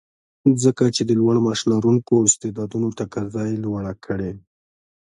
ځکه چې د لوړ معاش لرونکو استعدادونو تقاضا یې لوړه کړې